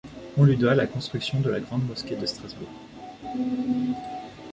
On lui doit la construction de la Grande mosquée de Strasbourg.